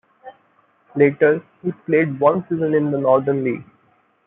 Later he played one season in the Northern League.